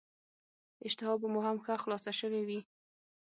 اشتها به مو هم ښه خلاصه شوې وي.